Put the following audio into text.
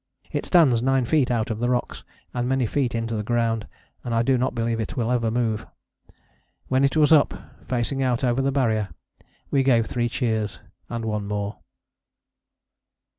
It stands nine feet out of the rocks, and many feet into the ground, and I do not believe it will ever move. When it was up, facing out over the Barrier, we gave three cheers and one more."